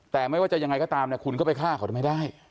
แต่ไม่ว่าจะยังไงก็ตามคุณก็ไปฆ่าเขาไม่ได้